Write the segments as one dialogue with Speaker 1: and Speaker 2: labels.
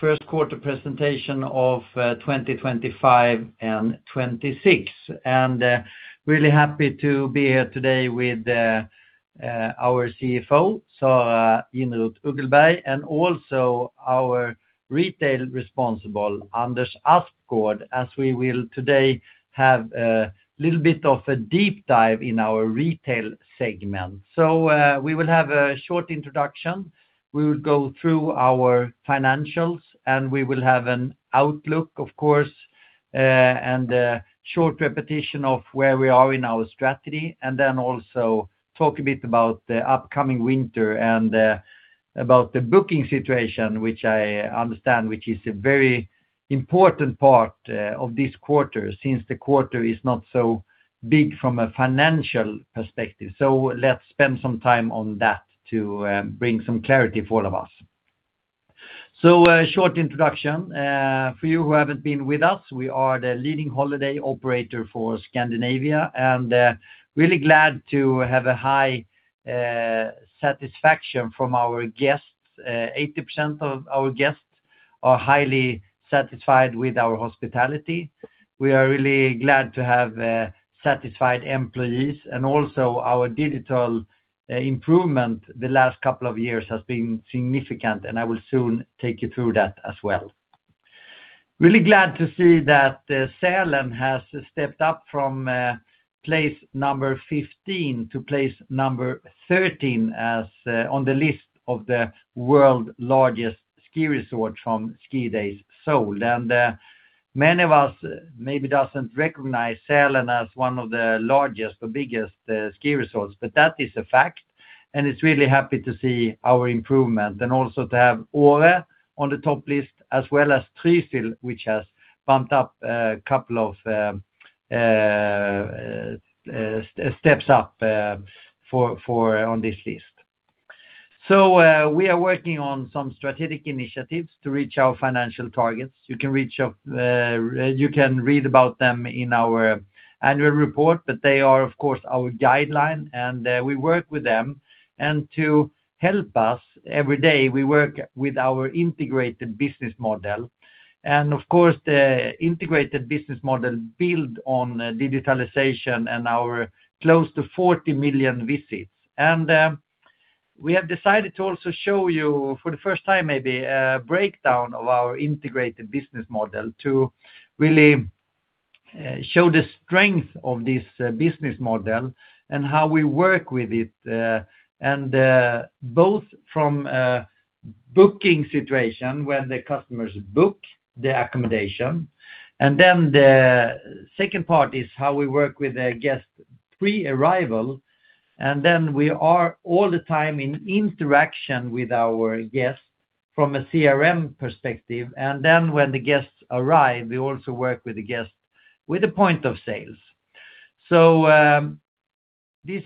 Speaker 1: First quarter presentation of 2025 and 2026. And really happy to be here today with our CFO, Sara Jinnerot Uggelberg, and also our Retail Responsible, Anders Aspgård, as we will today have a little bit of a deep dive in our retail segment. So we will have a short introduction. We will go through our financials, and we will have an outlook, of course, and a short repetition of where we are in our strategy. And then also talk a bit about the upcoming winter and about the booking situation, which I understand is a very important part of this quarter since the quarter is not so big from a financial perspective. So let's spend some time on that to bring some clarity for all of us. So short introduction. For you who haven't been with us, we are the leading holiday operator for Scandinavia, and really glad to have a high satisfaction from our guests. 80% of our guests are highly satisfied with our hospitality. We are really glad to have satisfied employees, and also our digital improvement the last couple of years has been significant, and I will soon take you through that as well. Really glad to see that Sälen has stepped up from place number 15 to place number 13 on the list of the world's largest ski resorts from skier days Seoul, and many of us maybe don't recognize Sälen as one of the largest or biggest ski resorts, but that is a fact. It's really happy to see our improvement and also to have Åre on the top list, as well as Trysil, which has bumped up a couple of steps up on this list. We are working on some strategic initiatives to reach our financial targets. You can read about them in our annual report, but they are, of course, our guideline, and we work with them. To help us every day, we work with our integrated business model. Of course, the integrated business model builds on digitalization and our close to 40 million visits. We have decided to also show you for the first time, maybe a breakdown of our integrated business model to really show the strength of this business model and how we work with it, both from a booking situation when the customers book the accommodation. And then the second part is how we work with the guests pre-arrival. And then we are all the time in interaction with our guests from a CRM perspective. And then when the guests arrive, we also work with the guests with the point of sales. So this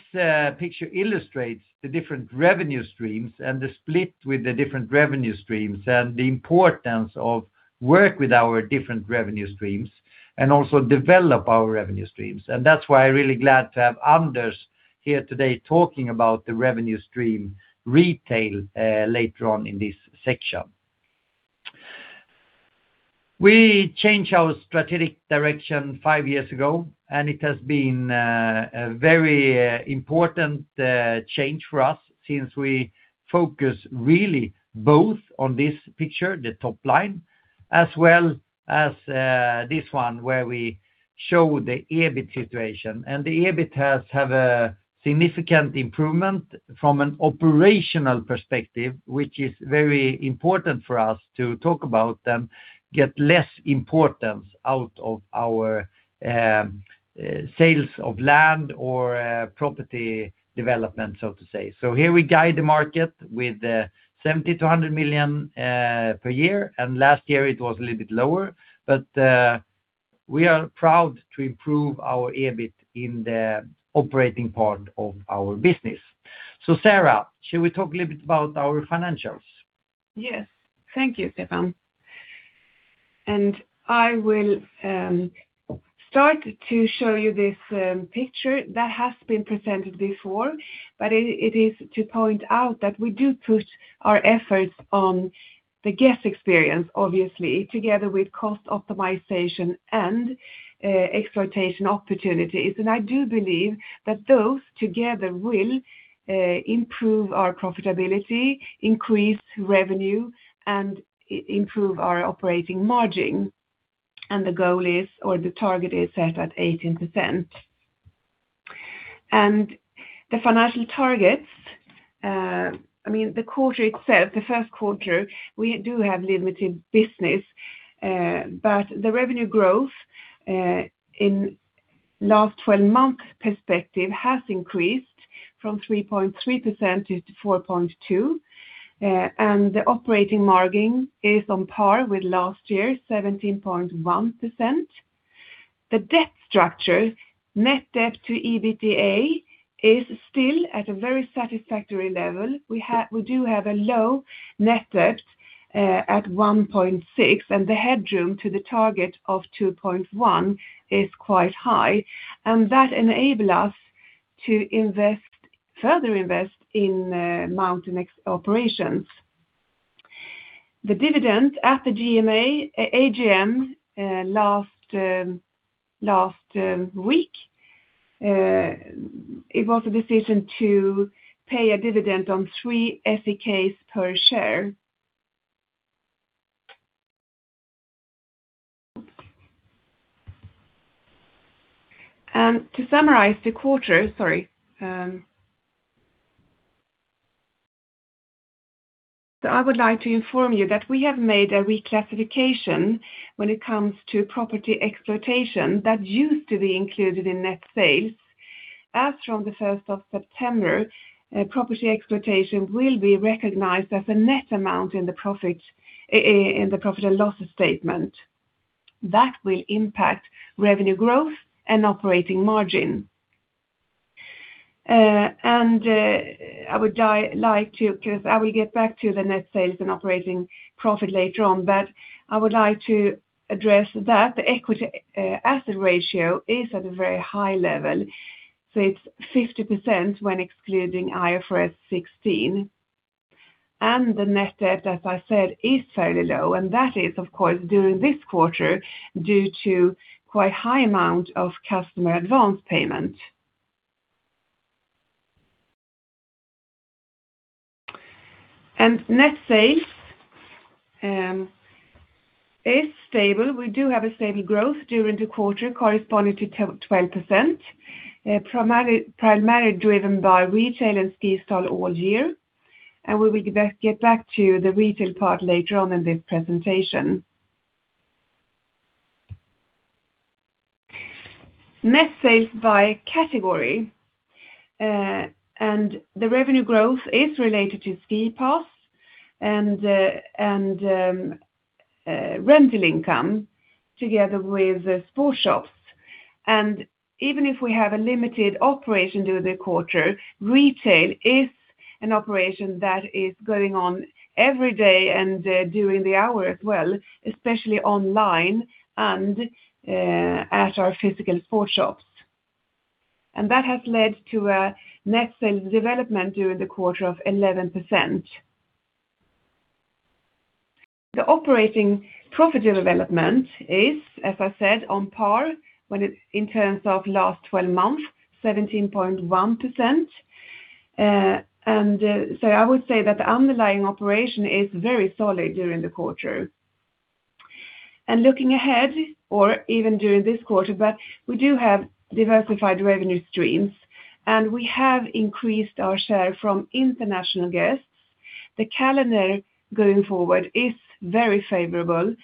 Speaker 1: picture illustrates the different revenue streams and the split with the different revenue streams and the importance of working with our different revenue streams and also developing our revenue streams. And that's why I'm really glad to have Anders here today talking about the revenue stream retail later on in this section. We changed our strategic direction five years ago, and it has been a very important change for us since we focus really both on this picture, the top line, as well as this one where we show the EBIT situation. And the EBIT has had a significant improvement from an operational perspective, which is very important for us to talk about and get less importance out of our sales of land or property development, so to say. So here we guide the market with 70 million-100 million per year. And last year it was a little bit lower, but we are proud to improve our EBIT in the operating part of our business. So Sara, should we talk a little bit about our financials?
Speaker 2: Yes, thank you, Stefan. And I will start to show you this picture that has been presented before, but it is to point out that we do put our efforts on the guest experience, obviously, together with cost optimization and exploitation opportunities. And I do believe that those together will improve our profitability, increase revenue, and improve our operating margin. And the goal is, or the target is set at 18%. And the financial targets, I mean, the quarter itself, the first quarter, we do have limited business, but the revenue growth in the last 12-month perspective has increased from 3.3%-4.2%. And the operating margin is on par with last year, 17.1%. The debt structure, net debt to EBITDA, is still at a very satisfactory level. We do have a low net debt at 1.6, and the headroom to the target of 2.1 is quite high. That enables us to further invest in mountain operations. The dividend at the AGM last week, it was a decision to pay a dividend on three SEK per share. To summarize the quarter, sorry. I would like to inform you that we have made a reclassification when it comes to property exploitation that used to be included in net sales. As from the 1st of September, property exploitation will be recognized as a net amount in the profit and loss statement. That will impact revenue growth and operating margin. I would like to, because I will get back to the net sales and operating profit later on, but I would like to address that the equity/assets ratio is at a very high level. It's 50% when excluding IFRS 16. The net debt, as I said, is fairly low. That is, of course, during this quarter due to quite a high amount of customer advance payment. Net sales is stable. We do have a stable growth during the quarter corresponding to 12%, primarily driven by retail and SkiStar All Year. We will get back to the retail part later on in this presentation. Net sales by category. The revenue growth is related to ski pass and rental income together with sports shops. Even if we have a limited operation during the quarter, retail is an operation that is going on every day and during the hour as well, especially online and at our physical sports shops. That has led to a net sales development during the quarter of 11%. The operating profit development is, as I said, on par when it in terms of last 12 months, 17.1%. And so I would say that the underlying operation is very solid during the quarter. Looking ahead, or even during this quarter, we do have diversified revenue streams. We have increased our share from international guests. The calendar going forward is very favorable.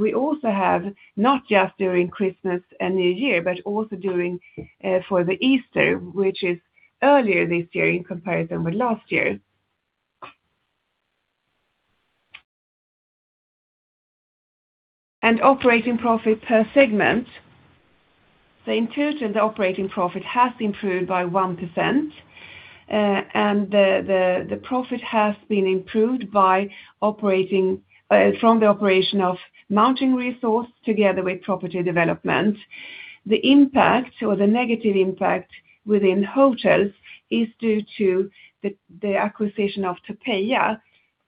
Speaker 2: We also have not just during Christmas and New Year, but also for Easter, which is earlier this year in comparison with last year. Operating profit per segment. In total, the operating profit has improved by 1%. The profit has been improved from the operation of mountain resorts together with property development. The impact or the negative impact within hotels is due to the acquisition of Topeja,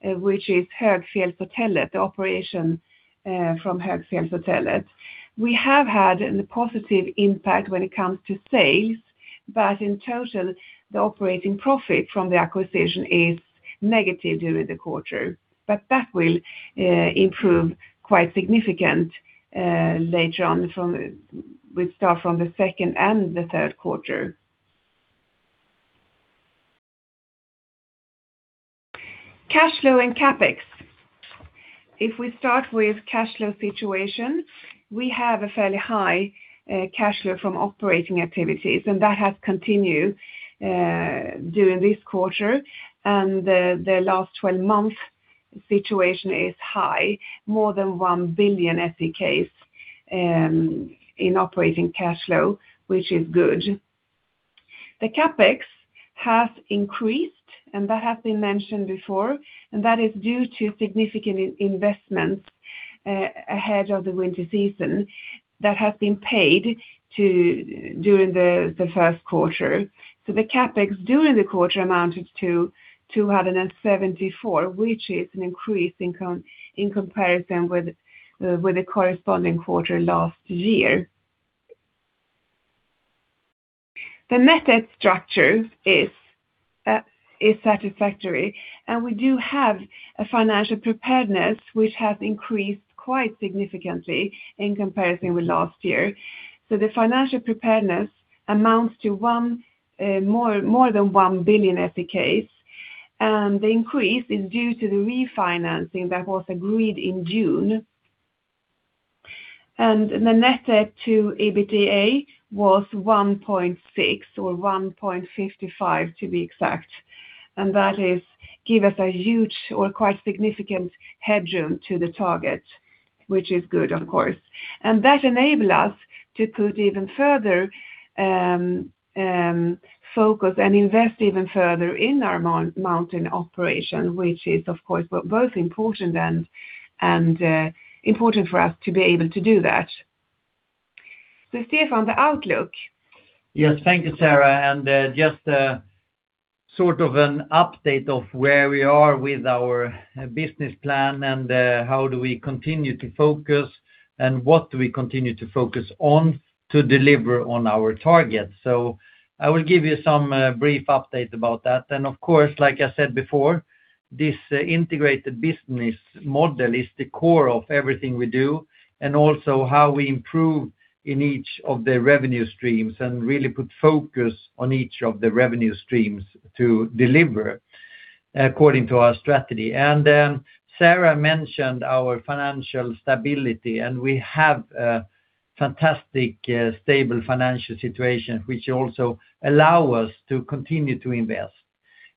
Speaker 2: which is Högfjällshotellet, the operation from Högfjällshotellet. We have had a positive impact when it comes to sales, but in total, the operating profit from the acquisition is negative during the quarter. But that will improve quite significantly later on, starting from the second and the third quarter. Cash flow and CapEx. If we start with cash flow situation, we have a fairly high cash flow from operating activities, and that has continued during this quarter, and the last 12-month situation is high, more than 1 billion SEK in operating cash flow, which is good. The CapEx has increased, and that has been mentioned before, and that is due to significant investments ahead of the winter season that have been paid during the first quarter, so the CapEx during the quarter amounted to 274, which is an increase in comparison with the corresponding quarter last year. The net debt structure is satisfactory, and we do have a financial preparedness, which has increased quite significantly in comparison with last year, so the financial preparedness amounts to more than 1 billion SEK. The increase is due to the refinancing that was agreed in June. The net debt to EBITDA was 1.6 or 1.55, to be exact. That gives us a huge or quite significant headroom to the target, which is good, of course. That enables us to put even further focus and invest even further in our mountain operation, which is, of course, both important and important for us to be able to do that. Stefan, the outlook.
Speaker 1: Yes, thank you, Sara, and just sort of an update of where we are with our business plan and how do we continue to focus and what do we continue to focus on to deliver on our target, so I will give you some brief updates about that, and of course, like I said before, this integrated business model is the core of everything we do and also how we improve in each of the revenue streams and really put focus on each of the revenue streams to deliver according to our strategy, and Sara mentioned our financial stability, and we have a fantastic stable financial situation, which also allows us to continue to invest.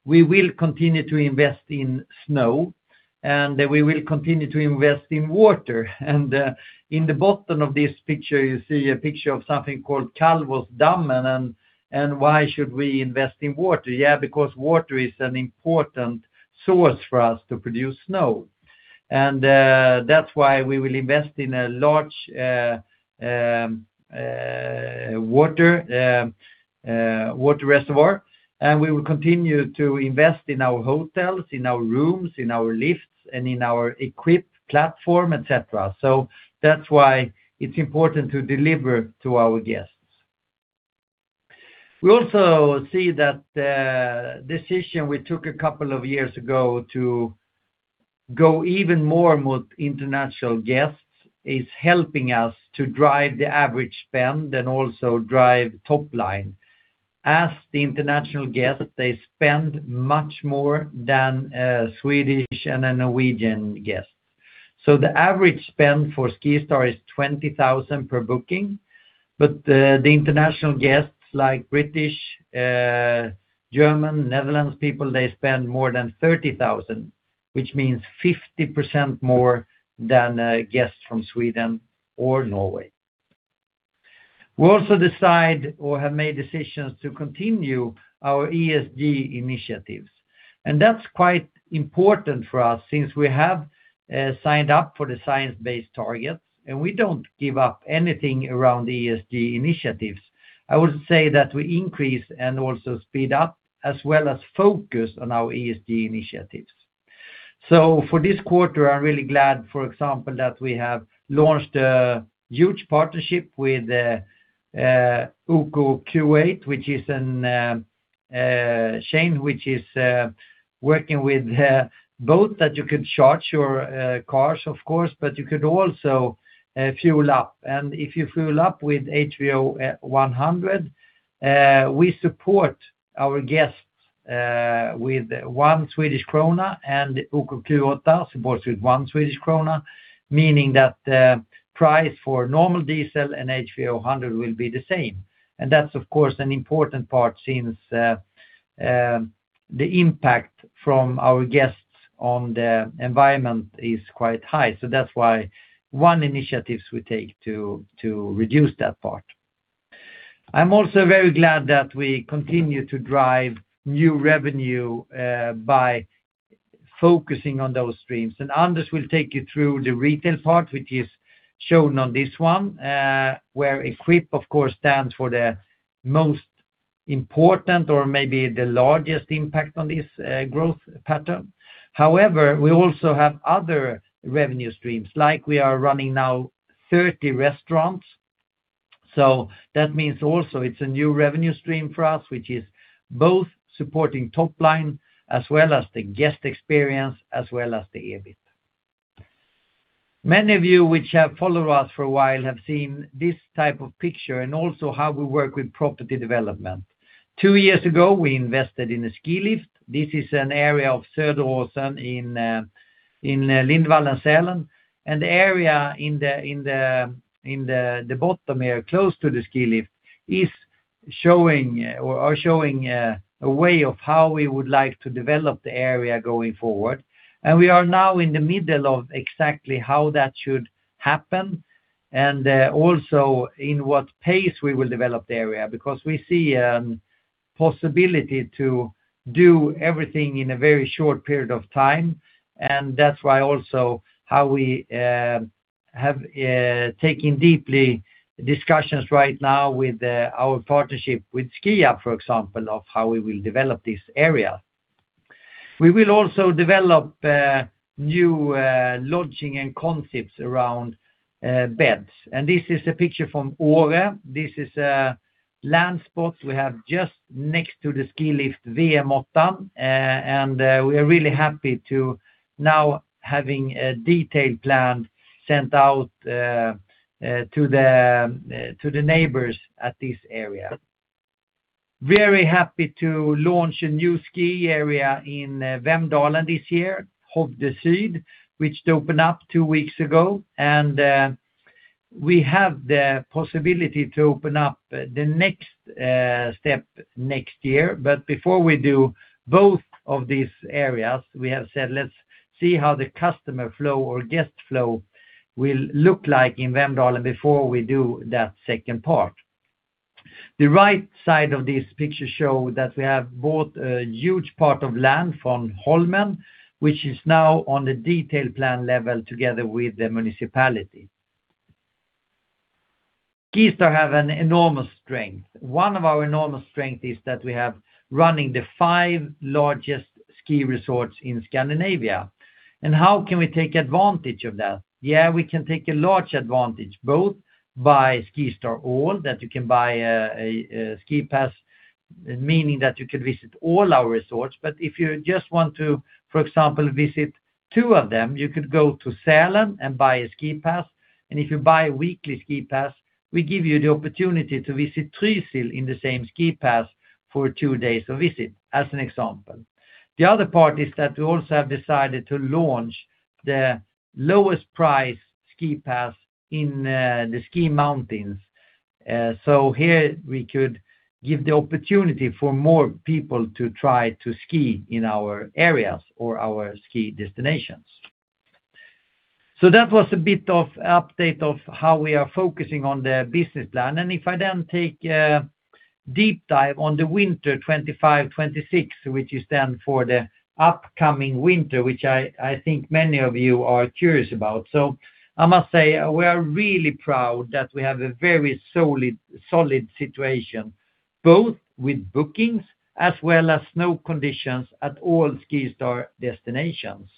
Speaker 1: We will continue to invest in snow, and we will continue to invest in water, and in the bottom of this picture, you see a picture of something called Myrflodammen. Why should we invest in water? Yeah, because water is an important source for us to produce snow. We will continue to invest in our hotels, in our rooms, in our lifts, and in our equipped platform, etc. That's why it's important to deliver to our guests. We also see that the decision we took a couple of years ago to go even more with international guests is helping us to drive the average spend and also drive top line. As the international guests, they spend much more than a Swedish and a Norwegian guest. The average spend for SkiStar is 20,000 per booking. The international guests, like British, German, Netherlands people, they spend more than 30,000, which means 50% more than guests from Sweden or Norway. We also decide or have made decisions to continue our ESG initiatives, and that's quite important for us since we have signed up for the science-based targets, and we don't give up anything around the ESG initiatives. I would say that we increase and also speed up as well as focus on our ESG initiatives, so for this quarter, I'm really glad, for example, that we have launched a huge partnership with OKQ8, which is a chain which is working with both that you could charge your cars, of course, but you could also fuel up. And if you fuel up with HVO100, we support our guests with 1 Swedish krona and OKQ8 supports with 1 Swedish krona, meaning that the price for normal diesel and HVO100 will be the same. And that's, of course, an important part since the impact from our guests on the environment is quite high. That's why one initiative we take to reduce that part. I'm also very glad that we continue to drive new revenue by focusing on those streams. Anders will take you through the retail part, which is shown on this one, where EQPE, of course, stands for the most important or maybe the largest impact on this growth pattern. However, we also have other revenue streams, like we are running now 30 restaurants. That means also it's a new revenue stream for us, which is both supporting top line as well as the guest experience as well as the EBIT. Many of you which have followed us for a while have seen this type of picture and also how we work with property development. Two years ago, we invested in a ski lift. This is an area of Söderåsen in Lindvallen, Sälen. The area in the bottom here close to the ski lift is showing or showing a way of how we would like to develop the area going forward. We are now in the middle of exactly how that should happen and also in what pace we will develop the area because we see a possibility to do everything in a very short period of time. That's why also how we have taken deeply discussions right now with our partnership with Skiab, for example, of how we will develop this area. We will also develop new lodging and concepts around beds. This is a picture from Åre. This is land spots we have just next to the ski lift VM8. We are really happy to now having a detailed plan sent out to the neighbors at this area. Very happy to launch a new ski area in Vemdalen this year, Hovde Syd, which opened up two weeks ago. And we have the possibility to open up the next step next year. But before we do both of these areas, we have said, let's see how the customer flow or guest flow will look like in Vemdalen before we do that second part. The right side of this picture shows that we have bought a huge part of land from Holmen, which is now on the detailed plan level together with the municipality. SkiStar have an enormous strength. One of our enormous strengths is that we have running the five largest ski resorts in Scandinavia. And how can we take advantage of that? Yeah, we can take a large advantage both by SkiStar All that you can buy a ski pass, meaning that you could visit all our resorts. But if you just want to, for example, visit two of them, you could go to Sälen and buy a ski pass. And if you buy a weekly ski pass, we give you the opportunity to visit Trysil in the same ski pass for two days of visit, as an example. The other part is that we also have decided to launch the lowest price ski pass in the ski mountains. So here we could give the opportunity for more people to try to ski in our areas or our ski destinations. So that was a bit of update of how we are focusing on the business plan. And if I then take a deep dive on the winter 2025-2026, which is then for the upcoming winter, which I think many of you are curious about. I must say we are really proud that we have a very solid situation both with bookings as well as snow conditions at all SkiStar destinations.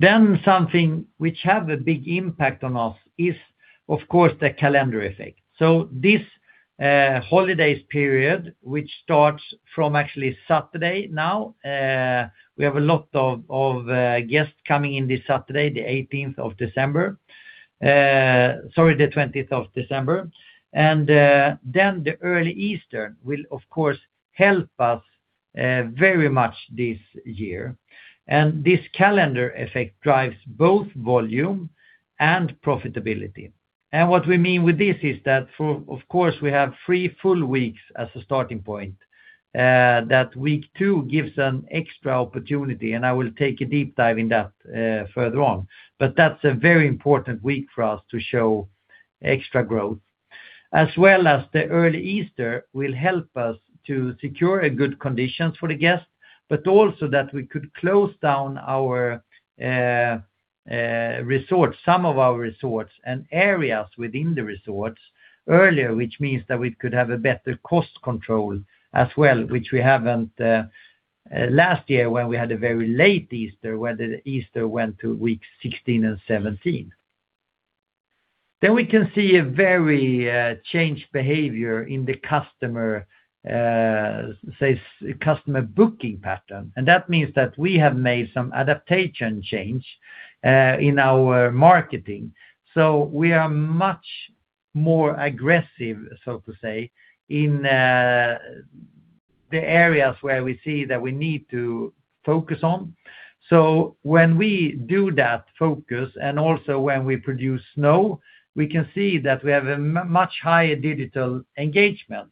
Speaker 1: Something which has a big impact on us is, of course, the calendar effect. This holidays period, which starts from actually Saturday now, we have a lot of guests coming in this Saturday, the 18th of December, sorry, the 20th of December. The early Easter will, of course, help us very much this year. This calendar effect drives both volume and profitability. What we mean with this is that, of course, we have three full weeks as a starting point. That week two gives an extra opportunity, and I will take a deep dive in that further on. That's a very important week for us to show extra growth. As well as the early Easter will help us to secure good conditions for the guests, but also that we could close down our resorts, some of our resorts and areas within the resorts earlier, which means that we could have a better cost control as well, which we haven't last year when we had a very late Easter where the Easter went to weeks 16 and 17, then we can see a very changed behavior in the customer booking pattern, and that means that we have made some adaptation change in our marketing, so we are much more aggressive, so to say, in the areas where we see that we need to focus on, so when we do that focus and also when we produce snow, we can see that we have a much higher digital engagement.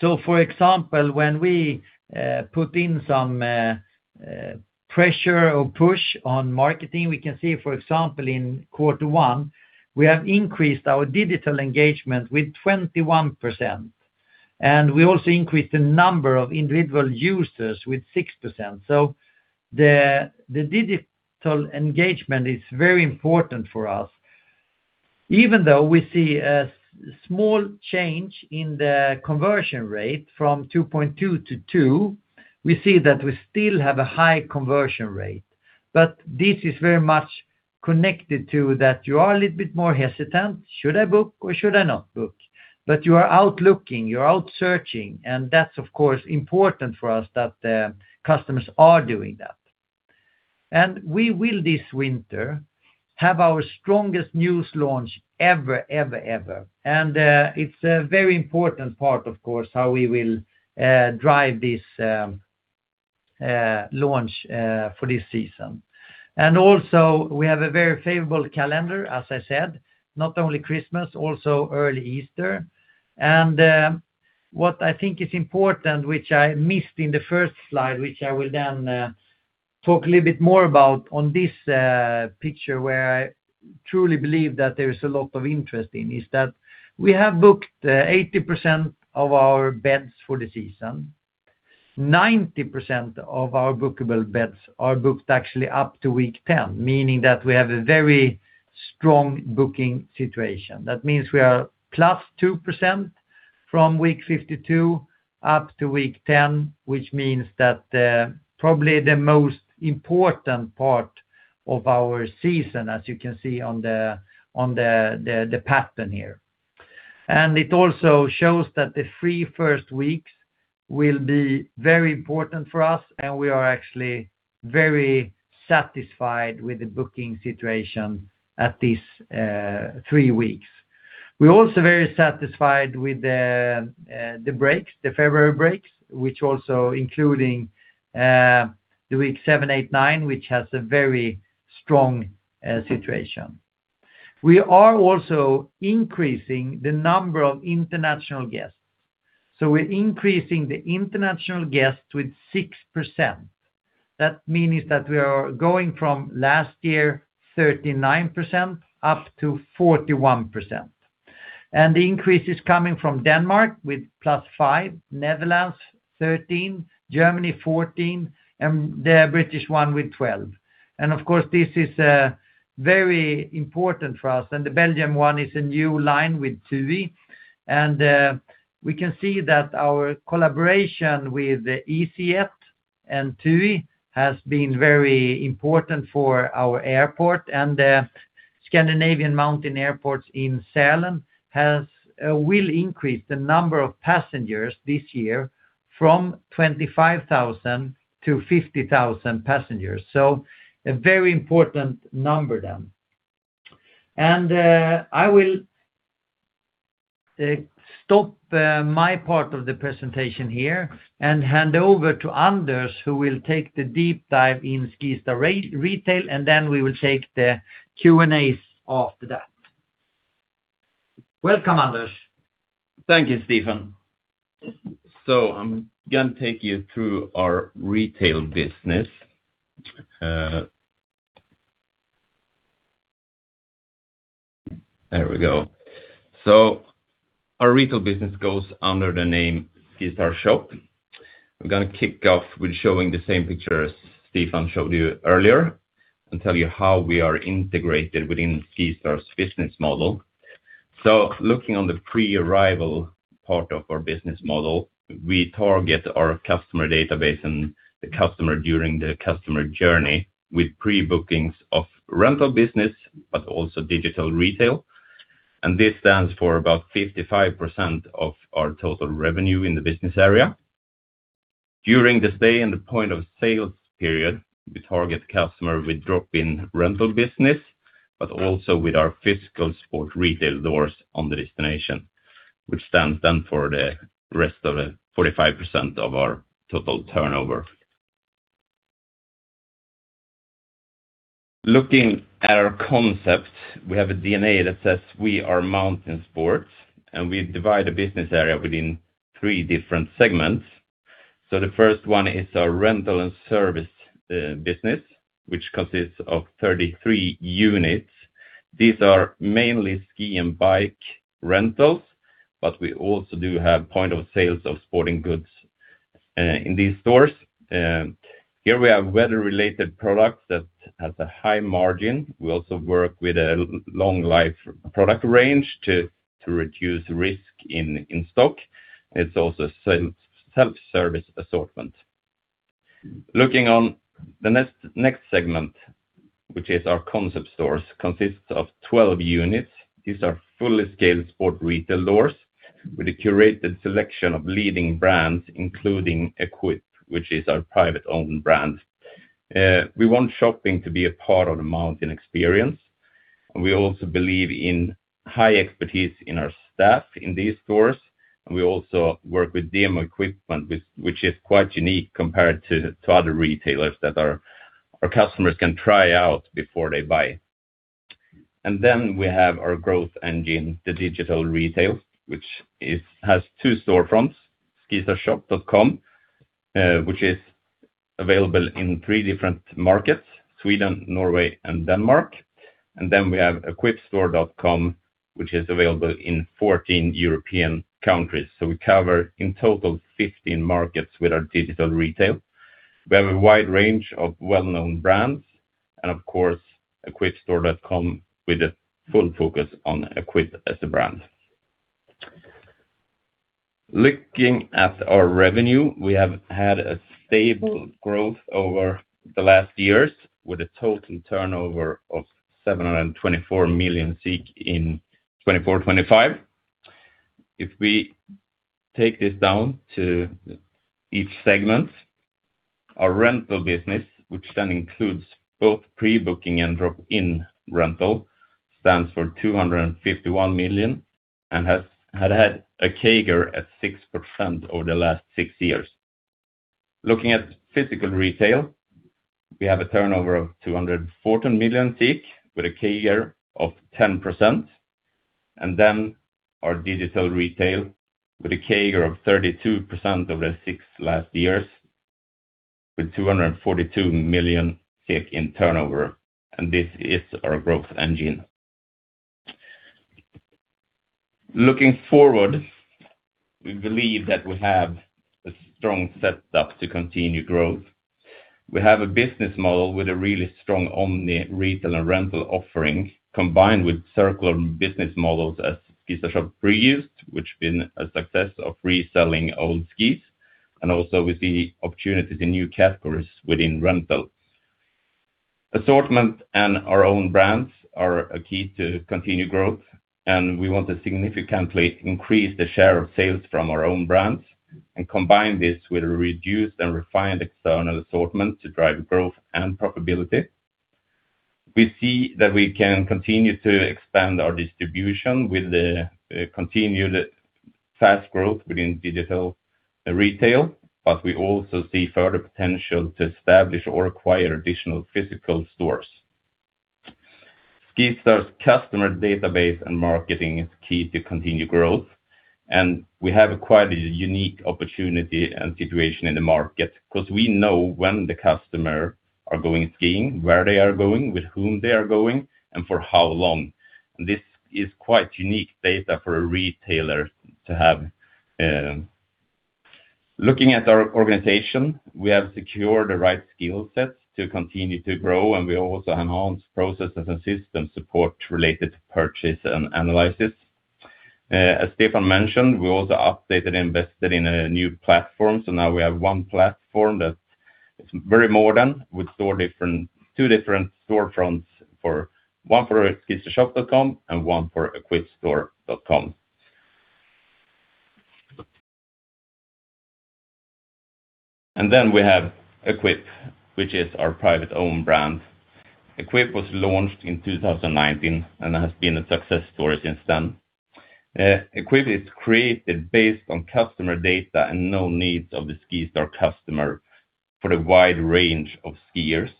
Speaker 1: For example, when we put in some pressure or push on marketing, we can see, for example, in quarter one, we have increased our digital engagement with 21%. And we also increased the number of individual users with 6%. The digital engagement is very important for us. Even though we see a small change in the conversion rate from 2.2% to 2%, we see that we still have a high conversion rate. This is very much connected to that you are a little bit more hesitant, should I book or should I not book. You are out looking, you're out searching. That's, of course, important for us that customers are doing that. We will this winter have our strongest news launch ever, ever, ever. It's a very important part, of course, how we will drive this launch for this season. And also we have a very favorable calendar, as I said, not only Christmas, also early Easter. What I think is important, which I missed in the first slide, which I will then talk a little bit more about on this picture where I truly believe that there is a lot of interest in, is that we have booked 80% of our beds for the season. 90% of our bookable beds are booked actually up to week 10, meaning that we have a very strong booking situation. That means we are plus 2% from week 52 up to week 10, which means that probably the most important part of our season, as you can see on the pattern here. And it also shows that the three first weeks will be very important for us, and we are actually very satisfied with the booking situation at these three weeks. We're also very satisfied with the breaks, the February breaks, which also including the week 7, 8, 9, which has a very strong situation. We are also increasing the number of international guests. So we're increasing the international guests with 6%. That means that we are going from last year 39% up to 41%. And the increase is coming from Denmark with plus 5%, Netherlands 13%, Germany 14%, and the British one with 12%. And of course, this is very important for us. And the Belgium one is a new line with TUI. And we can see that our collaboration with easyJet and TUI has been very important for our airport. And the Scandinavian Mountains Airport in Sälen will increase the number of passengers this year from 25,000-50,000 passengers. So a very important number then. I will stop my part of the presentation here and hand over to Anders, who will take the deep dive in SkiStar Retail. Then we will take the Q&As after that. Welcome, Anders.
Speaker 3: Thank you, Stefan. I'm going to take you through our retail business. There we go. Our retail business goes under the name SkiStarShop. We're going to kick off with showing the same picture as Stefan showed you earlier and tell you how we are integrated within SkiStar's business model. Looking on the pre-arrival part of our business model, we target our customer database and the customer during the customer journey with pre-bookings of rental business, but also digital retail. This stands for about 55% of our total revenue in the business area. During the stay and the point of sales period, we target customers with drop-in rental business, but also with our physical sports retail stores on the destination, which stands then for the rest of the 45% of our total turnover. Looking at our concept, we have a DNA that says we are mountain sports, and we divide the business area within three different segments. So the first one is our rental and service business, which consists of 33 units. These are mainly ski and bike rentals, but we also do have point of sales of sporting goods in these stores. Here we have weather-related products that have a high margin. We also work with a long-life product range to reduce risk in stock. It's also a self-service assortment. Looking on the next segment, which is our concept stores, consists of 12 units. These are fully scaled sport retail doors with a curated selection of leading brands, including EQPE, which is our private-owned brand. We want shopping to be a part of the mountain experience. We also believe in high expertise in our staff in these stores. We also work with demo equipment, which is quite unique compared to other retailers that our customers can try out before they buy. Then we have our growth engine, the digital retail, which has two storefronts, skistarshop.com, which is available in three different markets, Sweden, Norway, and Denmark. Then we have eqpestore.com, which is available in 14 European countries. We cover in total 15 markets with our digital retail. We have a wide range of well-known brands. Of course, eqpestore.com with a full focus on EQPE as the brand. Looking at our revenue, we have had a stable growth over the last years with a total turnover of 724 million in 24-25. If we take this down to each segment, our rental business, which then includes both pre-booking and drop-in rental, stands for 251 million and has had a CAGR of 6% over the last six years. Looking at physical retail, we have a turnover of 214 million with a CAGR of 10%. Then our digital retail has a CAGR of 32% over the last six years with 242 million in turnover. This is our growth engine. Looking forward, we believe that we have a strong setup to continue growth. We have a business model with a really strong omni retail and rental offering combined with circular business models as SkiStarshop pre-used, which have been a success of reselling old skis. Also, we see opportunities in new categories within rental. Assortment and our own brands are a key to continue growth. We want to significantly increase the share of sales from our own brands and combine this with a reduced and refined external assortment to drive growth and profitability. We see that we can continue to expand our distribution with the continued fast growth within digital retail, but we also see further potential to establish or acquire additional physical stores. SkiStar's customer database and marketing is key to continue growth. We have acquired a unique opportunity and situation in the market because we know when the customers are going skiing, where they are going, with whom they are going, and for how long. This is quite unique data for a retailer to have. Looking at our organization, we have secured the right skill sets to continue to grow, and we also enhance processes and system support related to purchase and analysis. As Stefan mentioned, we also updated and invested in a new platform. So now we have one platform that is very modern with two different storefronts, one for skistarshop.com and one for eqpestore.com. And then we have EQPE, which is our privately owned brand. EQPE was launched in 2019 and has been a success story since then. EQPE is created based on customer data and known needs of the SkiStar customer for the wide range of skiers.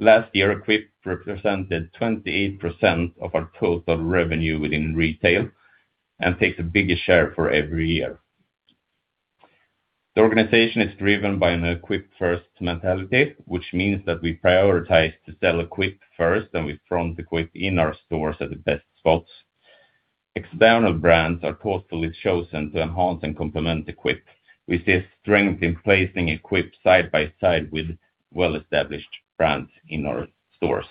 Speaker 3: Last year, EQPE represented 28% of our total revenue within retail and takes a bigger share for every year. The organization is driven by an EQPE first mentality, which means that we prioritize to sell EQPE first and we front EQPE in our stores at the best spots. External brands are thoughtfully chosen to enhance and complement EQPE. We see a strength in placing EQPE side by side with well-established brands in our stores.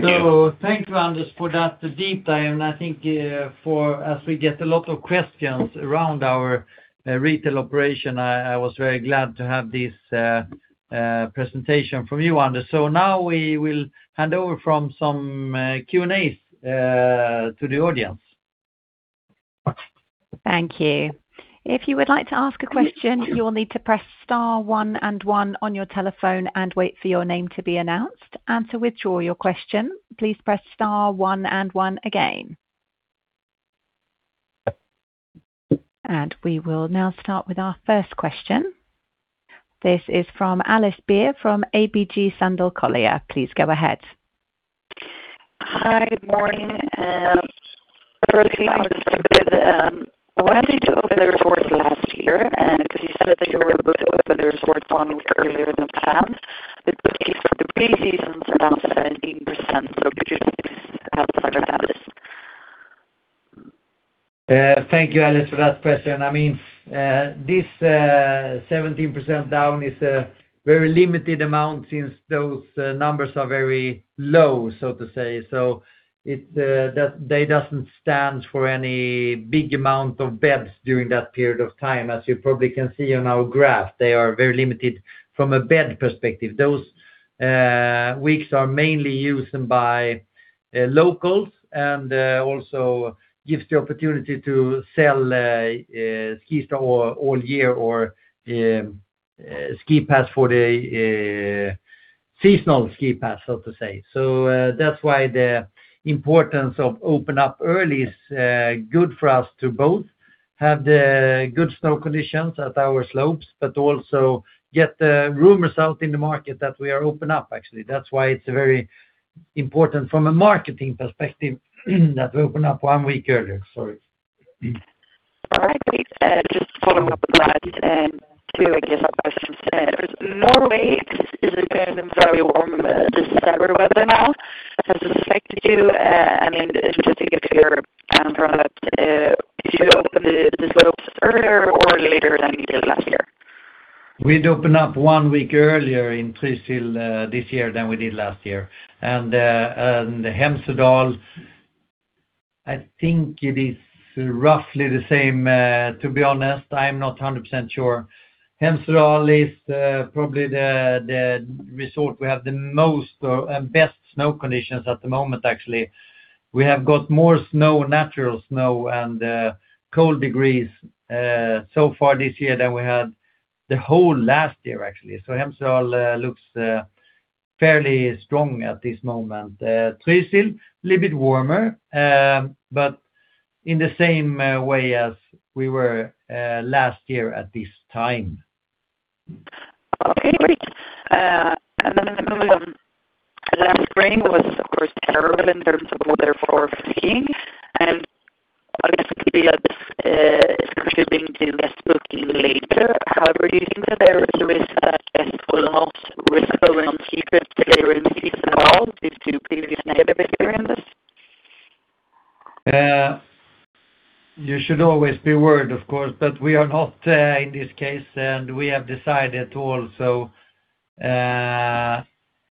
Speaker 1: Thank you. Thank you, Anders, for that deep dive. And I think as we get a lot of questions around our retail operation, I was very glad to have this presentation from you, Anders. So now we will hand over from some Q&As to the audience.
Speaker 4: Thank you. If you would like to ask a question, you will need to press star one and one on your telephone and wait for your name to be announced. And to withdraw your question, please press star one and one again. We will now start with our first question. This is from Alice Beer from ABG Sundal Collier. Please go ahead.
Speaker 5: Hi, good morning. Early on, I wanted to open the resort last year because you said that you were able to open the resort one week earlier than planned. The pre-season is around 17%, so could you explain how that happens?
Speaker 1: Thank you, Alice, for that question. I mean, this 17% down is a very limited amount since those numbers are very low, so to say. So it doesn't stand for any big amount of beds during that period of time. As you probably can see on our graph, they are very limited from a bed perspective. Those weeks are mainly used by locals and also give the opportunity to sell SkiStar All Year or Ski Pass for the seasonal ski pass, so to say. So that's why the importance of opening up early is good for us to both have the good snow conditions at our slopes, but also get the rumors out in the market that we are opening up, actually. That's why it's very important from a marketing perspective that we open up one week earlier. Sorry.
Speaker 5: All right. Just following up with that too, I guess, a question to Norway. Is it going to be very warm this summer weather now? Has this affected you? I mean, just to get clear, if you opened the slopes earlier or later than you did last year?
Speaker 1: We'd open up one week earlier in Trysil this year than we did last year. And Hemsedal, I think it is roughly the same, to be honest. I'm not 100% sure. Hemsedal is probably the resort we have the most and best snow conditions at the moment, actually. We have got more snow, natural snow, and cold degrees so far this year than we had the whole last year, actually. So Hemsedal looks fairly strong at this moment. Trysil, a little bit warmer, but in the same way as we were last year at this time.
Speaker 5: Okay, great. And then moving on. Last spring was, of course, terrible in terms of weather for skiing. And obviously, it's contributing to less booking later. However, do you think that there is a risk of cancellations later in the season at all due to previous negative experiences?
Speaker 1: You should always be worried, of course, but we are not in this case. We have decided to also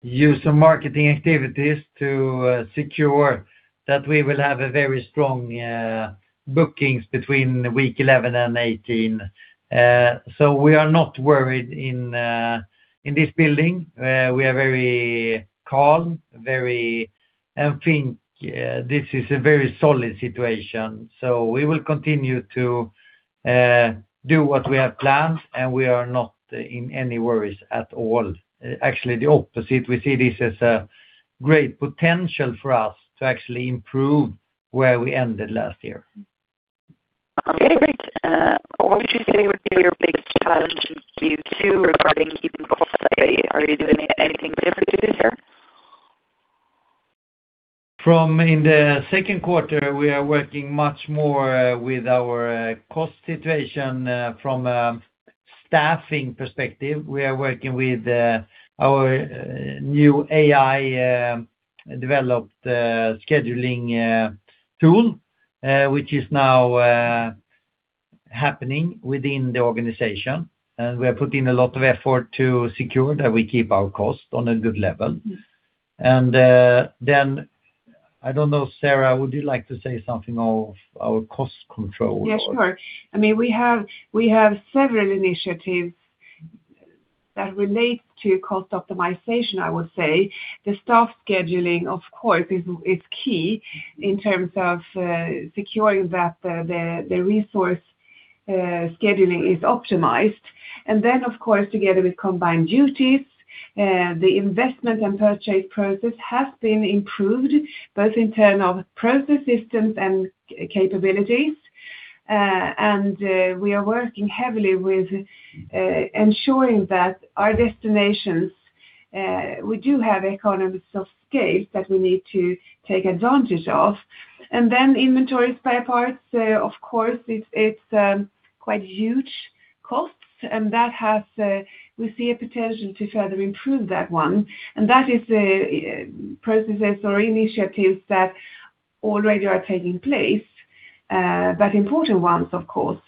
Speaker 1: use some marketing activities to secure that we will have very strong bookings between week 11 and 18. We are not worried in this building. We are very calm, very. I think this is a very solid situation. We will continue to do what we have planned, and we are not in any worries at all. Actually, the opposite. We see this as a great potential for us to actually improve where we ended last year.
Speaker 5: Okay, great. What would you say would be your biggest challenges for you too regarding keeping costs? Are you doing anything differently this year?
Speaker 1: From the second quarter, we are working much more with our cost situation. From a staffing perspective, we are working with our new AI-developed scheduling tool, which is now happening within the organization. We are putting a lot of effort to secure that we keep our costs on a good level. I don't know, Sara, would you like to say something of our cost control?
Speaker 2: Yeah, sure. I mean, we have several initiatives that relate to cost optimization, I would say. The staff scheduling, of course, is key in terms of securing that the resource scheduling is optimized. Of course, together with combined duties, the investment and purchase process has been improved, both in terms of process systems and capabilities. We are working heavily with ensuring that our destinations, we do have economies of scale that we need to take advantage of. Inventory spare parts, of course, it's quite huge costs. We see a potential to further improve that one. That is processes or initiatives that already are taking place, but important ones, of course.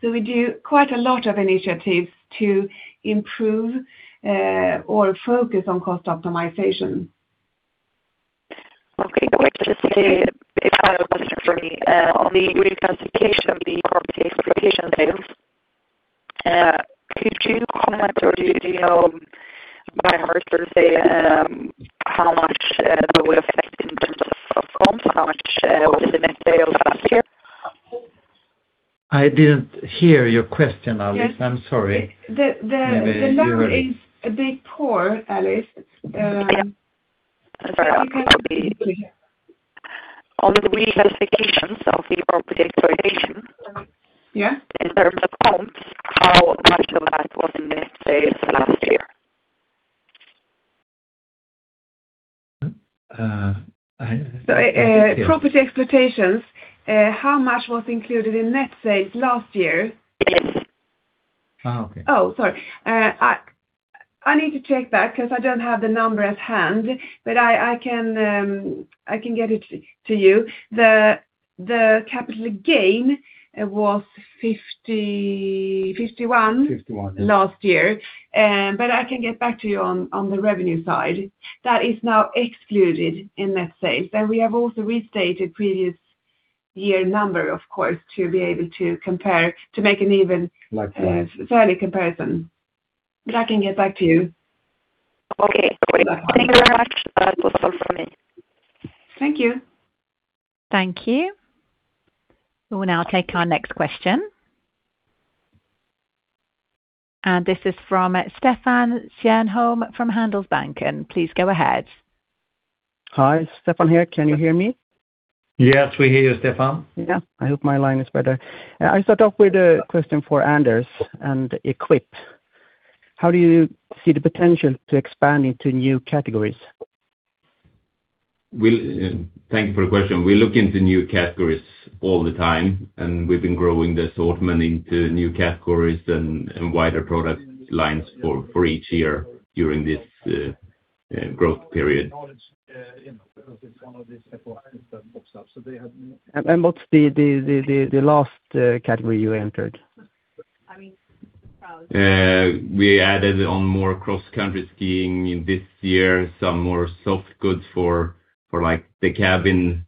Speaker 2: So we do quite a lot of initiatives to improve or focus on cost optimization.
Speaker 5: Okay, great. Just a final question for me. On the reclassification of the property exploitation sales, could you comment or do you know by heart, so to say, how much it would affect in terms of cost, how much it would have been sales last year?
Speaker 1: I didn't hear your question, Alice. I'm sorry.
Speaker 2: The number is a bit poor, Alice.
Speaker 5: On the reclassifications of the property exploitation, in terms of comps, how much of that was in net sales last year?
Speaker 2: Property exploitations, how much was included in net sales last year? Yes. Oh, okay. Oh, sorry. I need to check that because I don't have the number at hand, but I can get it to you. The capital gain was 51 last year. But I can get back to you on the revenue side. That is now excluded in net sales. And we have also restated previous year number, of course, to be able to compare, to make an even fair comparison. But I can get back to you.
Speaker 5: Okay. Thank you very much. That was all from me.
Speaker 2: Thank you.
Speaker 4: Thank you. We will now take our next question. And this is from Stefan Stjernholm from Handelsbanken. Please go ahead.
Speaker 6: Hi, Stefan here. Can you hear me?
Speaker 1: Yes, we hear you, Stefan.
Speaker 6: Yeah, I hope my line is better. I start off with a question for Anders and EQPE.
Speaker 3: Thank you for the question. We look into new categories all the time, and we've been growing the assortment into new categories and wider product lines for each year during this growth period. Because it's one of these type of system pops up. So they had.
Speaker 6: And what's the last category you entered?
Speaker 3: We added on more cross-country skiing this year, some more soft goods for the cabin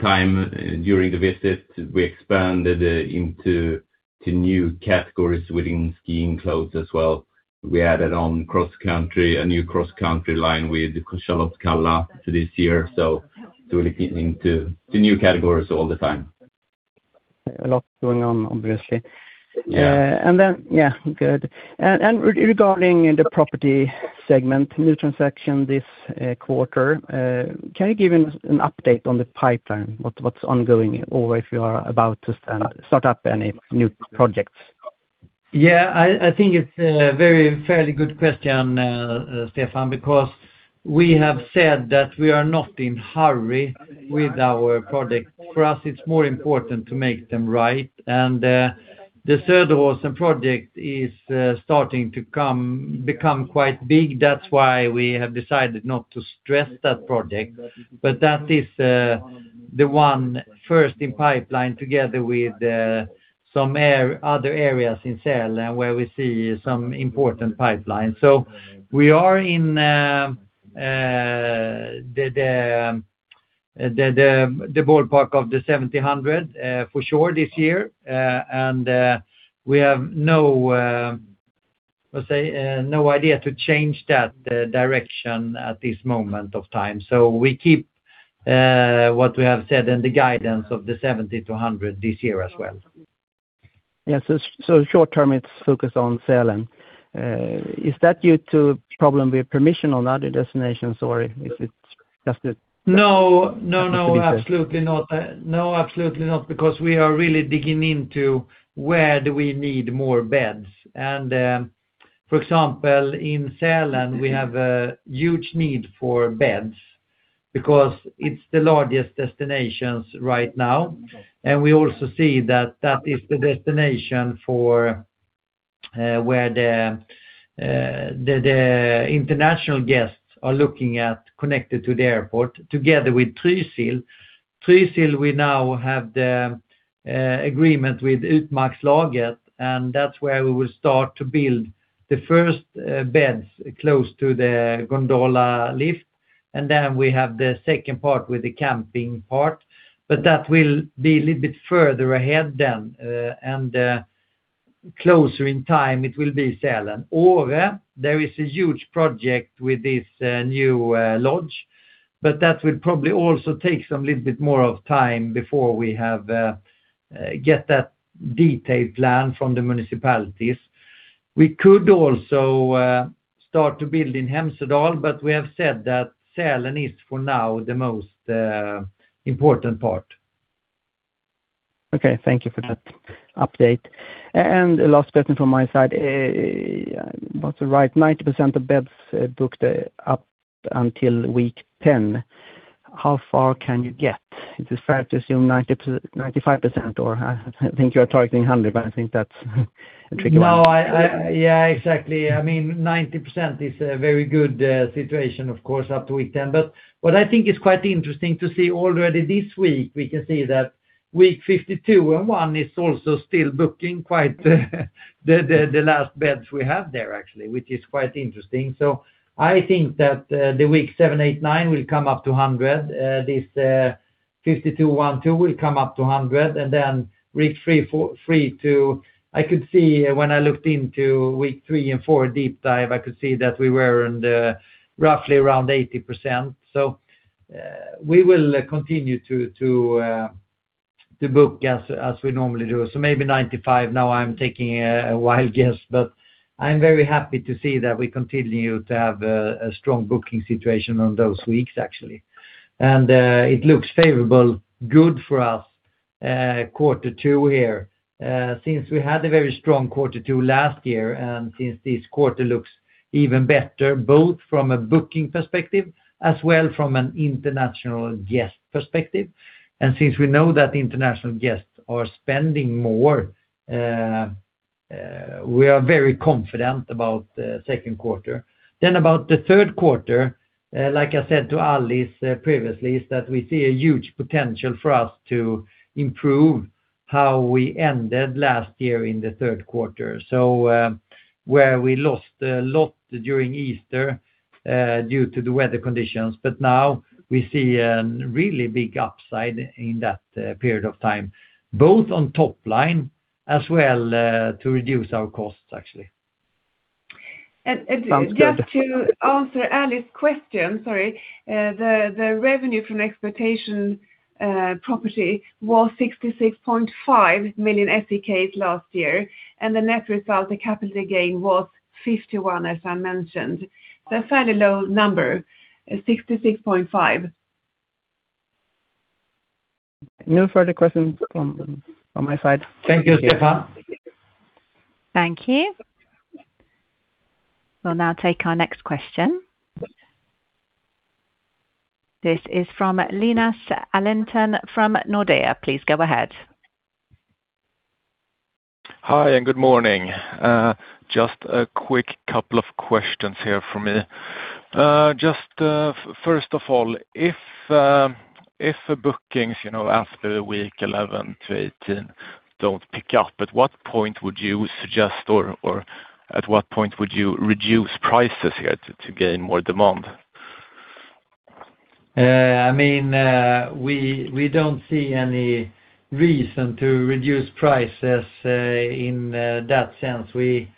Speaker 3: time during the visit. We expanded into new categories within skiing clothes as well. We added on a new cross-country line with the Charlotte Kalla for this year. So we're looking into new categories all the time.
Speaker 1: A lot going on, obviously.
Speaker 6: And then, yeah, good. And regarding the property segment, new transaction this quarter, can you give an update on the pipeline, what's ongoing, or if you are about to start up any new projects?
Speaker 1: Yeah, I think it's a very fairly good question, Stefan, because we have said that we are not in hurry with our project. For us, it's more important to make them right. And the Söderåsen project is starting to become quite big. That's why we have decided not to stress that project. But that is the one first in pipeline together with some other areas in Sälen where we see some important pipelines. So we are in the ballpark of the 70,000 for sure this year. And we have no idea to change that direction at this moment of time. So we keep what we have said in the guidance of the 70,000-100,000 this year as well.
Speaker 6: Yeah, so short-term, it's focused on Sälen. Is that due to a problem with permission on other destinations, or is it just a?
Speaker 1: No, no, no, absolutely not. No, absolutely not, because we are really digging into where do we need more beds. And for example, in Sälen, we have a huge need for beds because it's the largest destination right now. And we also see that that is the destination for where the international guests are looking at connected to the airport together with Trysil. Trysil, we now have the agreement with Utmarkslaget, and that's where we will start to build the first beds close to the Gondola lift. And then we have the second part with the camping part. But that will be a little bit further ahead then. And closer in time, it will be Sälen. Åre, there is a huge project with this new lodge, but that will probably also take a little bit more of time before we get that detailed plan from the municipalities. We could also start to build in Hemsedal, but we have said that Sälen is for now the most important part.
Speaker 6: Okay, thank you for that update. And last question from my side. About the right 90% of beds booked up until week 10. How far can you get? Is it fair to assume 95%, or I think you are targeting 100, but I think that's a tricky one.
Speaker 1: No, yeah, exactly. I mean, 90% is a very good situation, of course, up to week 10. But what I think is quite interesting to see already this week, we can see that week 52 and 1 is also still booking quite the last beds we have there, actually, which is quite interesting. So I think that the week 7, 8, 9 will come up to 100. This 52, 1, 2 will come up to 100. And then week 3, 4, 3, 2. I could see when I looked into week 3 and 4 deep dive, I could see that we were roughly around 80%. So we will continue to book as we normally do. So maybe 95%. Now I'm taking a wild guess, but I'm very happy to see that we continue to have a strong booking situation on those weeks, actually. And it looks favorable, good for us, quarter two here. Since we had a very strong quarter two last year and since this quarter looks even better, both from a booking perspective as well from an international guest perspective. And since we know that international guests are spending more, we are very confident about the second quarter. Then about the third quarter, like I said to Alice previously, is that we see a huge potential for us to improve how we ended last year in the third quarter. So where we lost a lot during Easter due to the weather conditions, but now we see a really big upside in that period of time, both on top line as well to reduce our costs, actually.
Speaker 2: And just to answer Alice's question, sorry, the revenue from exploitation property was 66.5 million SEK last year. And the net result, the capital gain, was 51, as I mentioned. So a fairly low number, 66.5.
Speaker 6: No further questions from my side. Thank you, Stefan.
Speaker 4: Thank you. We'll now take our next question. This is from Linus Allen from Nordea. Please go ahead.
Speaker 7: Hi, and good morning. Just a quick couple of questions here for me. Just first of all, if bookings after week 11-18 don't pick up, at what point would you suggest or at what point would you reduce prices here to gain more demand?
Speaker 1: I mean, we don't see any reason to reduce prices in that sense. We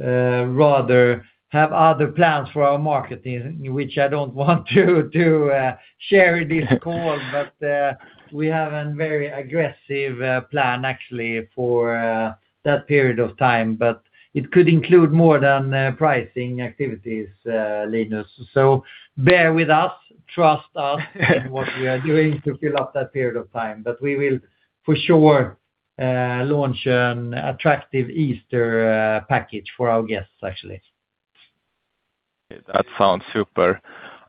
Speaker 1: rather have other plans for our marketing, which I don't want to share in this call, but we have a very aggressive plan, actually, for that period of time. But it could include more than pricing activities, Linus. So bear with us, trust us in what we are doing to fill up that period of time. But we will for sure launch an attractive Easter package for our guests, actually.
Speaker 7: That sounds super.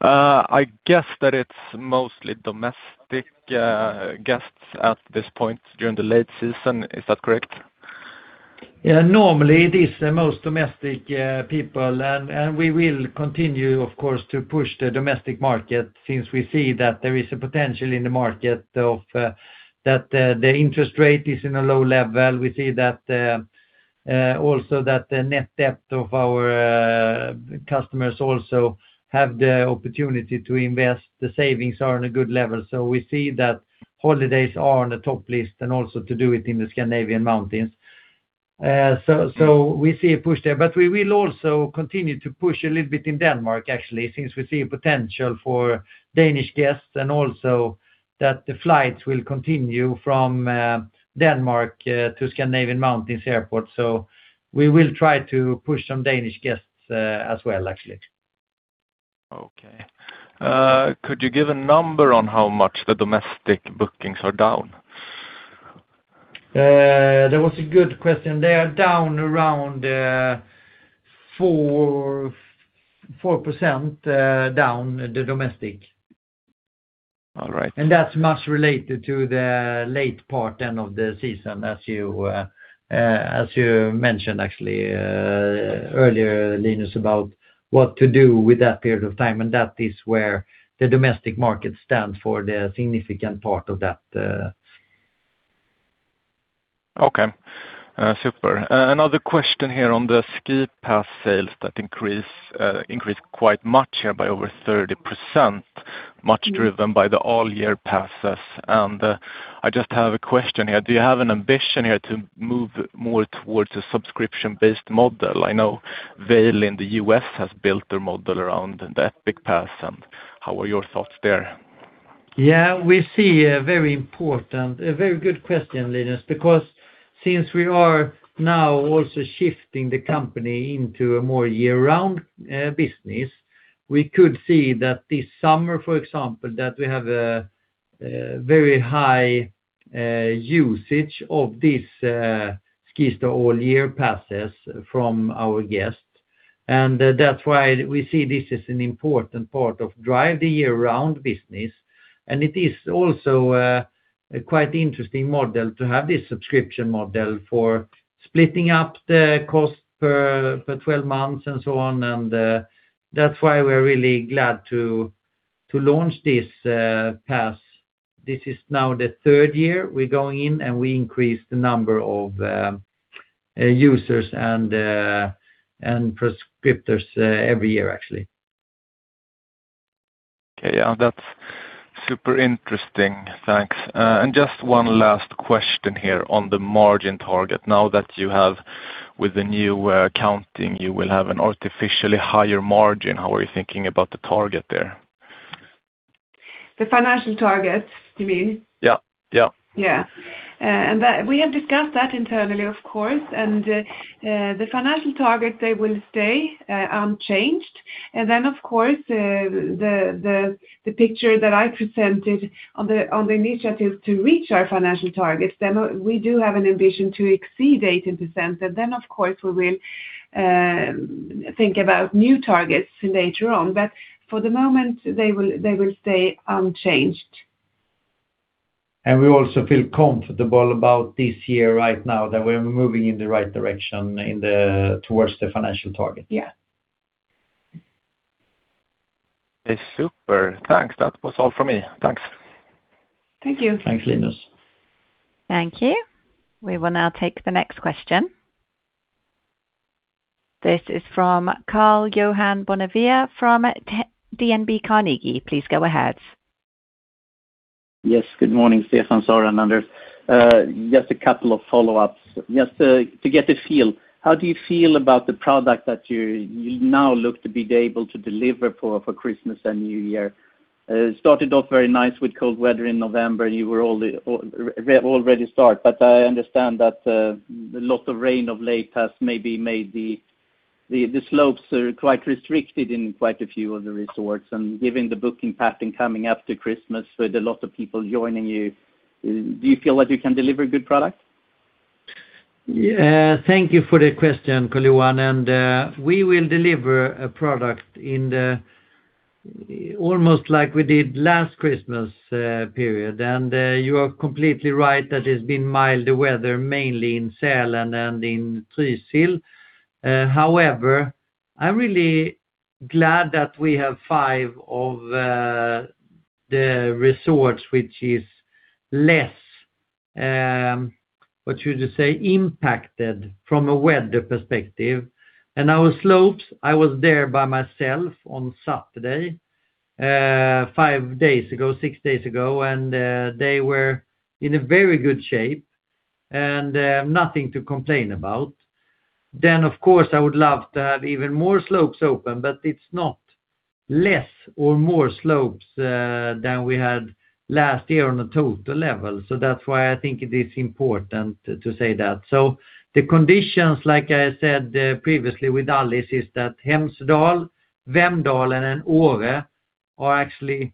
Speaker 7: I guess that it's mostly domestic guests at this point during the late season. Is that correct?
Speaker 1: Yeah, normally it is the most domestic people. We will continue, of course, to push the domestic market since we see that there is a potential in the market that the interest rate is at a low level. We see also that the net worth of our customers also have the opportunity to invest. The savings are on a good level. We see that holidays are on the top list and also to do it in the Scandinavian mountains. We see a push there. We will also continue to push a little bit in Denmark, actually, since we see a potential for Danish guests and also that the flights will continue from Denmark to Scandinavian Mountains Airport. We will try to push some Danish guests as well, actually.
Speaker 7: Okay. Could you give a number on how much the domestic bookings are down?
Speaker 1: That was a good question. They are down around 4% down the domestic, and that's much related to the late part end of the season, as you mentioned, actually, earlier, Linus, about what to do with that period of time, and that is where the domestic market stands for the significant part of that.
Speaker 7: Okay. Super. Another question here on the ski pass sales that increased quite much here by over 30%, much driven by the all-year passes, and I just have a question here. Do you have an ambition here to move more towards a subscription-based model? I know Vail in the US has built their model around the Epic Pass, and how are your thoughts there?
Speaker 1: Yeah, we see a very important, very good question, Linus, because since we are now also shifting the company into a more year-round business, we could see that this summer, for example, that we have a very high usage of these ski all-year passes from our guests. And that's why we see this is an important part of drive the year-round business. And it is also a quite interesting model to have this subscription model for splitting up the cost per 12 months and so on. And that's why we're really glad to launch this pass. This is now the third year we're going in, and we increase the number of users and subscribers every year, actually.
Speaker 7: Okay. Yeah, that's super interesting. Thanks. And just one last question here on the margin target. Now that you have, with the new accounting, you will have an artificially higher margin. How are you thinking about the target there?
Speaker 2: The financial target, you mean?
Speaker 7: Yeah. Yeah.
Speaker 2: Yeah. And we have discussed that internally, of course. And the financial target, they will stay unchanged. And then, of course, the picture that I presented on the initiatives to reach our financial targets, then we do have an ambition to exceed 80%. And then, of course, we will think about new targets later on. But for the moment, they will stay unchanged.
Speaker 1: And we also feel comfortable about this year right now that we're moving in the right direction towards the financial target.
Speaker 2: Yeah.
Speaker 7: Super. Thanks. That was all from me. Thanks.
Speaker 2: Thank you.
Speaker 1: Thanks, Linus.
Speaker 4: Thank you. We will now take the next question. This is from Karl-Johan Bonnevier from DNB Markets. Please go ahead.
Speaker 8: Yes. Good morning, Stefan, Sara and Anders. Just a couple of follow-ups. Just to get a feel, how do you feel about the product that you now look to be able to deliver for Christmas and New Year? It started off very nice with cold weather in November, and you were already stuck. But I understand that a lot of rain of late has maybe made the slopes quite restricted in quite a few of the resorts. And given the booking pattern coming after Christmas with a lot of people joining you, do you feel that you can deliver a good product?
Speaker 1: Yeah. Thank you for the question, Karl-Johan, and we will deliver a product almost like we did last Christmas period, and you are completely right that it's been milder weather, mainly in Sälen and in Trysil. However, I'm really glad that we have five of the resorts, which is less, what should you say, impacted from a weather perspective. And our slopes, I was there by myself on Saturday, five days ago, six days ago, and they were in very good shape and nothing to complain about. Then, of course, I would love to have even more slopes open, but it's not less or more slopes than we had last year on a total level. So that's why I think it is important to say that. So the conditions, like I said previously with Alice, is that Hemsedal, Vemdalen, and Åre are actually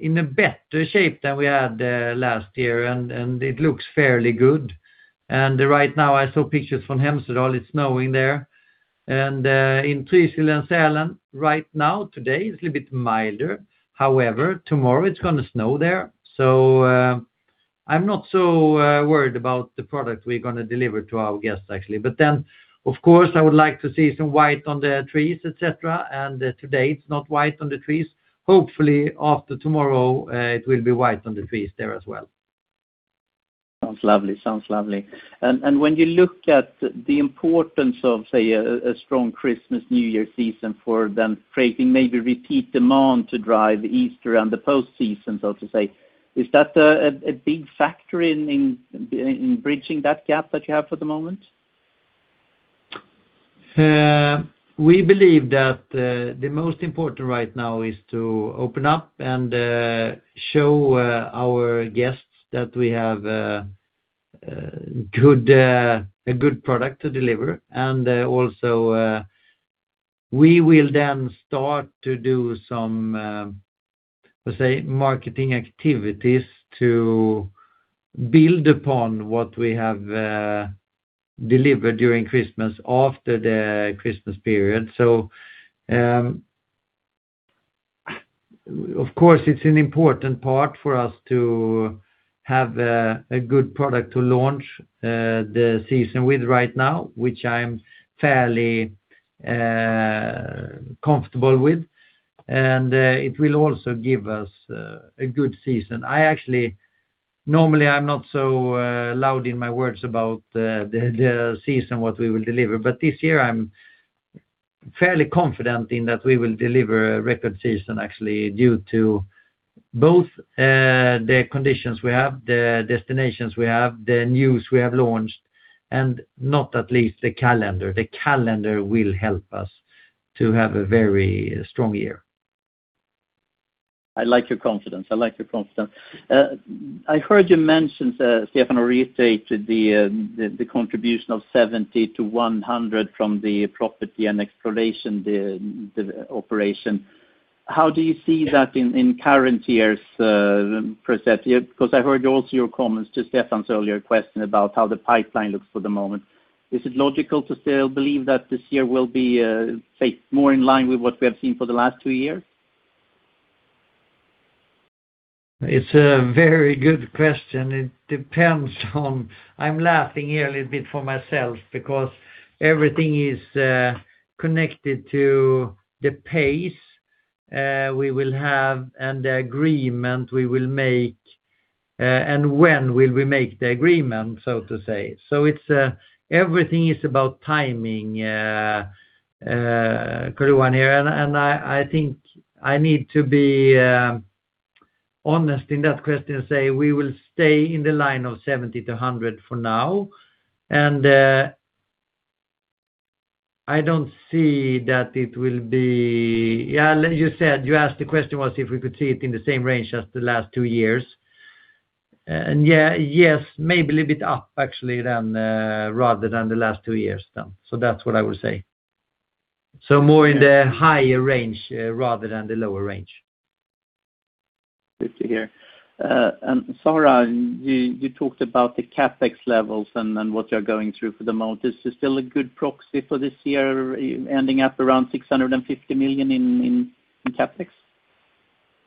Speaker 1: in a better shape than we had last year, and it looks fairly good. And right now, I saw pictures from Hemsedal. It's snowing there. And in Trysil and Sälen, right now, today, it's a little bit milder. However, tomorrow, it's going to snow there. So I'm not so worried about the product we're going to deliver to our guests, actually. But then, of course, I would like to see some white on the trees, etc. And today, it's not white on the trees. Hopefully, after tomorrow, it will be white on the trees there as well.
Speaker 8: Sounds lovely. Sounds lovely. And when you look at the importance of, say, a strong Christmas, New Year season for then creating maybe repeat demand to drive Easter and the post-season, so to say, is that a big factor in bridging that gap that you have for the moment?
Speaker 1: We believe that the most important right now is to open up and show our guests that we have a good product to deliver. And also, we will then start to do some, let's say, marketing activities to build upon what we have delivered during Christmas after the Christmas period. Of course, it's an important part for us to have a good product to launch the season with right now, which I'm fairly comfortable with. And it will also give us a good season. I actually, normally, I'm not so loud in my words about the season, what we will deliver. But this year, I'm fairly confident in that we will deliver a record season, actually, due to both the conditions we have, the destinations we have, the news we have launched, and not least the calendar. The calendar will help us to have a very strong year.
Speaker 8: I like your confidence. I like your confidence. I heard you mentioned, Stefan, or reiterated the contribution of 70-100 from the property and exploration, the operation. How do you see that in current years presented Because I heard also your comments to Stefan's earlier question about how the pipeline looks for the moment. Is it logical to still believe that this year will be more in line with what we have seen for the last two years?
Speaker 1: It's a very good question. It depends on, I'm laughing here a little bit for myself, because everything is connected to the pace we will have and the agreement we will make. And when will we make the agreement, so to say? So everything is about timing, Karl-Johan here. And I think I need to be honest in that question and say we will stay in the line of 70-100 for now. And I don't see that it will be, yeah, you said you asked the question was if we could see it in the same range as the last two years. Yes, maybe a little bit up, actually, rather than the last two years then. So that's what I will say. So more in the higher range rather than the lower range.
Speaker 8: Good to hear. Sara, you talked about the CapEx levels and what you're going through for the moment. Is this still a good proxy for this year, ending up around 650 million in CapEx?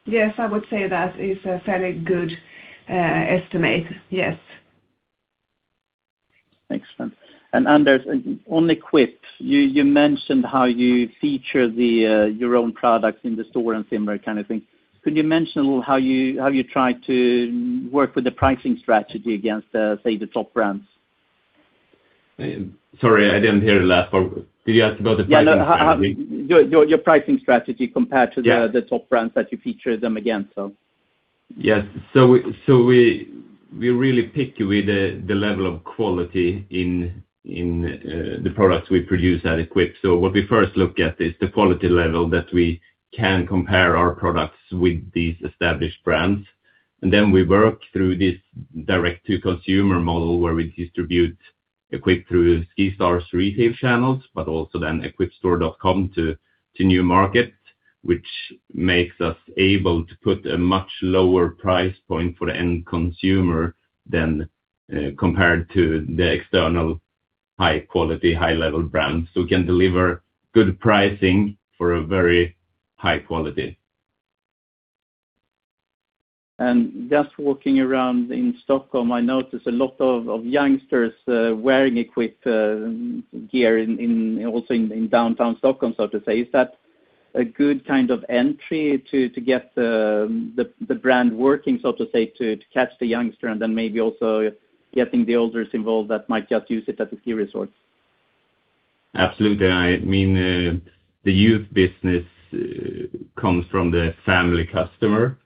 Speaker 2: Yes, I would say that is a fairly good estimate. Yes.
Speaker 8: Excellent. Anders, on EQPE, you mentioned how you feature your own products in the store and similar kind of thing. Could you mention how you try to work with the pricing strategy against, say, the top brands?
Speaker 3: Sorry, I didn't hear the last part. Did you ask about the pricing strategy?
Speaker 8: Yeah, your pricing strategy compared to the top brands that you feature them against, so. Yes.
Speaker 3: We really stick with the level of quality in the products we produce at EQPE. What we first look at is the quality level that we can compare our products with these established brands. Then we work through this direct-to-consumer model where we distribute EQPE through SkiStar's retail channels, but also then eqpestore.com to new markets, which makes us able to put a much lower price point for the end consumer than compared to the external high-quality, high-level brands. We can deliver good pricing for a very high quality.
Speaker 8: Just walking around in Stockholm, I noticed a lot of youngsters wearing EQPE gear also in downtown Stockholm, so to speak. Is that a good kind of entry to get the brand working, so to say, to catch the youngster and then maybe also getting the olders involved that might just use it at the ski resorts?
Speaker 3: Absolutely. I mean, the youth business comes from the family customer.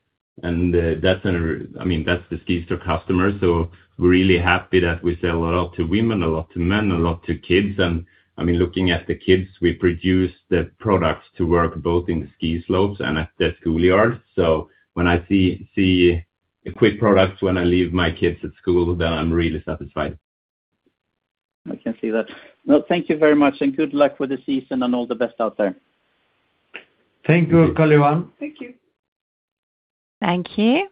Speaker 3: And that's, I mean, that's the SkiStar customers. So we're really happy that we sell a lot to women, a lot to men, a lot to kids. And I mean, looking at the kids, we produce the products to work both in the ski slopes and at the schoolyards. So when I see EQPE products when I leave my kids at school, then I'm really satisfied.
Speaker 8: I can see that. Well, thank you very much. And good luck with the season and all the best out there.
Speaker 1: Thank you, Karl-Johan.
Speaker 2: Thank you.
Speaker 4: Thank you.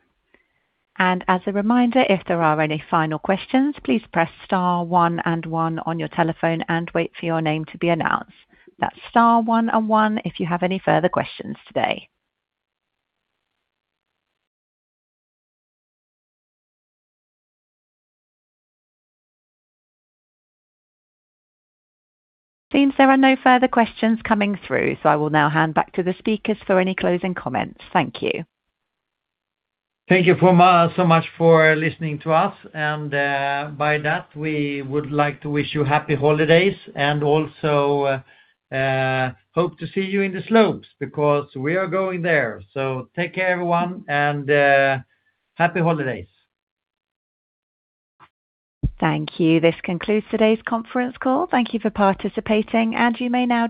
Speaker 4: And as a reminder, if there are any final questions, please press star one and one on your telephone and wait for your name to be announced. That's star one and one if you have any further questions today. Seems there are no further questions coming through, so I will now hand back to the speakers for any closing comments. Thank you.
Speaker 1: Thank you so much for listening to us. And by that, we would like to wish you happy holidays and also hope to see you in the slopes because we are going there. So take care, everyone, and happy holidays.
Speaker 4: Thank you. This concludes today's conference call. Thank you for participating, and you may now.